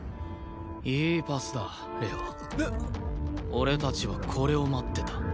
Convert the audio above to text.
俺たちはこれを待ってた。